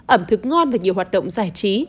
ẩm thực ngon và nhiều hoạt động giải trí